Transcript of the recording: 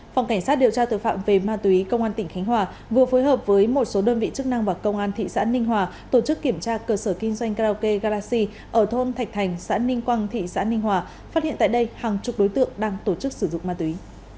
phòng cảnh sát điều tra tội phạm về ma túy công an tỉnh khánh hòa vừa phối hợp với một số đơn vị chức năng và công an thị xã ninh hòa tổ chức kiểm tra cơ sở kinh doanh karaoke garaxi ở thôn thạch thành xã ninh quang thị xã ninh hòa phát hiện tại đây hàng chục đối tượng đang tổ chức sử dụng ma túy